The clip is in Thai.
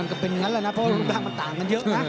มันก็เป็นงั้นแล้วนะเพราะรุ่นน้องมันต่างกันเยอะนะ